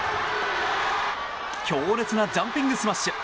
強烈なジャンピングスマッシュ！